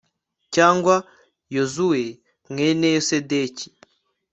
cyangwa yozuwe, mwene yosedeki